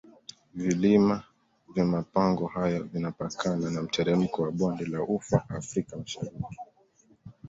vilima vya mapango hayo vinapakana na mteremko wa bonde la ufa africa mashariki